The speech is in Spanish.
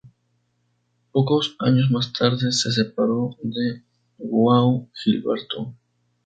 Pocos años más tarde se separó de João Gilberto.